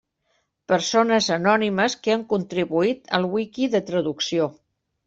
Persones anònimes que han contribuït al wiki de traducció.